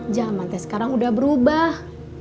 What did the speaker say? zaman dari sekarang udah berubah